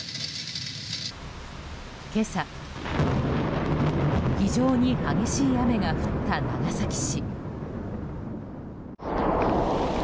今朝、非常に激しい雨が降った長崎市。